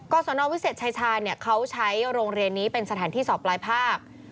สนวิเศษชายชาเขาใช้โรงเรียนนี้เป็นสถานที่สอบปลายภาค